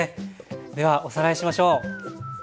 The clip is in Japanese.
ではおさらいしましょう。